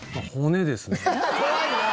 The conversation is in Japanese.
怖いな！